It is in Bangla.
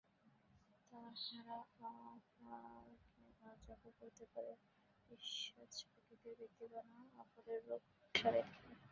তাহারাও অপরকে আরোগ্য করিতে পারে, পিশাচপ্রকৃতি ব্যক্তিগণও অপরের রোগ সারাইতে পারে।